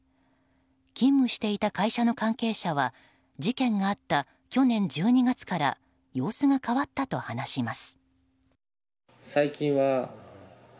勤務していた会社の関係者は事件があった去年１２月から様子が変わったと話します。